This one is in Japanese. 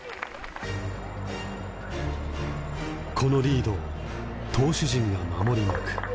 このリードを投手陣が守り抜く。